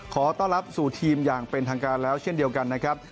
ขอต้อนรับสู่ทีมอย่างเป็นทางการแล้วเช่นเดียวกันนะครับ